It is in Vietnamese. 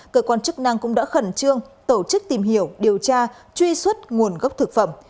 cơ quan chức năng cũng đã khẩn trương tổ chức tìm hiểu điều tra truy xuất nguồn gốc thực phẩm